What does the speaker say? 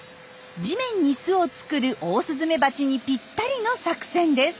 地面に巣を作るオオスズメバチにぴったりの作戦です。